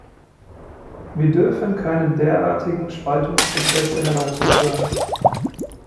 Wir dürfen keine derartigen Spaltungsprozesse heraufbeschwören.